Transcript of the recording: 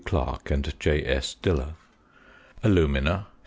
Clarke and J.S. Diller: Alumina 57.